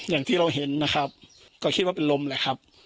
อย่างที่เราเห็นนะครับก็คิดว่าเป็นลมแหละครับ